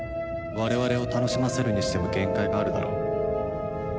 我々を楽しませるにしても限界があるだろう。